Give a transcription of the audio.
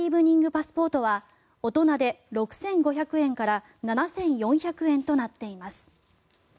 パスポートは大人で６５００円から７４００円となっています。